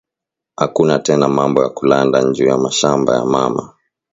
Akuna tena mambo ya kulanda nju ya mashamba ya mama